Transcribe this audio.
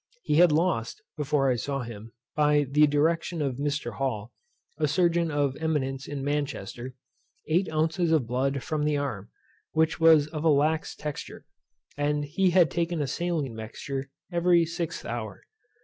He had lost, before I saw him, by the direction of Mr. Hall, a surgeon of eminence in Manchester, eight ounces of blood from the arm, which was of a lax texture; and he had taken a saline mixture every sixth hour.